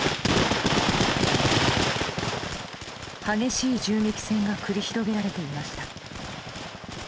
激しい銃撃戦が繰り広げられていました。